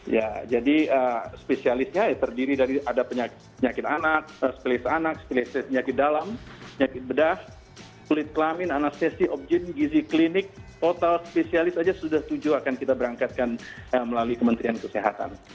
ya jadi spesialisnya terdiri dari ada penyakit anak spesialis anak spesialis penyakit dalam penyakit bedah kulit kelamin anestesi objek gizi klinik total spesialis saja sudah tujuh akan kita berangkatkan melalui kementerian kesehatan